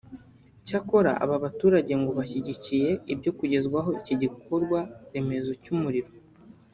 Cyakora aba baturage ngo bashyigikiye ibyo kugezwaho iki gikorwa remezo cy’umuriro